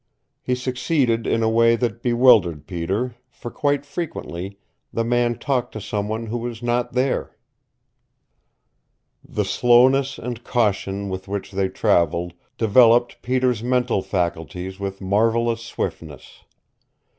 He succeeded in a way that bewildered Peter, for quite frequently the man talked to someone who was not there. The slowness and caution with which they traveled developed Peter's mental faculties with marvelous swiftness.